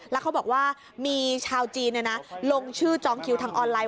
แล้วเขาบอกว่ามีชาวจีนลงชื่อจองคิวทางออนไลน